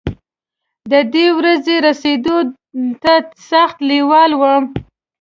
د دې ورځې رسېدو ته سخت لېوال وم.